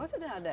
oh sudah ada ya